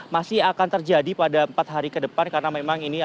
masih akan terjadi pada empat hari ke depan karena memang ini